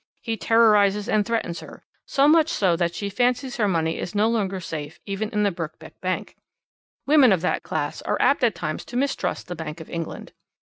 He terrorises and threatens her, so much so that she fancies her money is no longer safe even in the Birkbeck Bank. Women of that class are apt at times to mistrust the Bank of England.